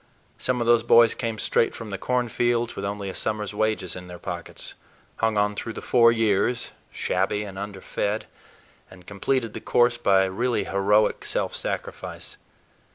Some of those boys came straight from the cornfields with only a summer's wages in their pockets, hung on through the four years, shabby and underfed, and completed the course by really heroic self sacrifice.